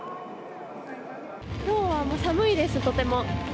きょうはもう、寒いです、とても。